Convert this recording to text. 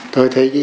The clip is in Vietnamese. tôi thấy ý nhận